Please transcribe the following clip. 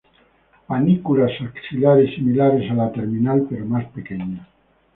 Panículas axilares similares a la terminal, pero más pequeñas.